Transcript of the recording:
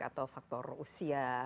atau faktor usia